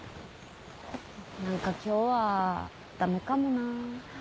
何か今日は駄目かもな。